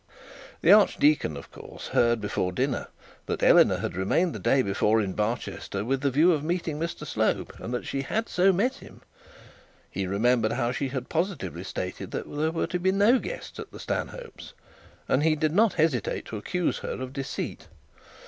The archdeacon of course heard before dinner that Eleanor had remained the day before at Barchester with the view of meeting Mr Slope, and that she had so met him. He remembered how she had positively stated that there were to be guests at the Stanhopes, and he did not hesitate to accuse her of deceit.